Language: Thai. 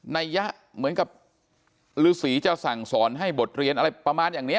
ัยยะเหมือนกับฤษีจะสั่งสอนให้บทเรียนอะไรประมาณอย่างนี้